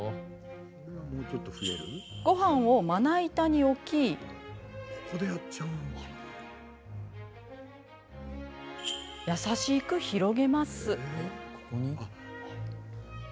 ごはんをまな板に置き優しく広げます。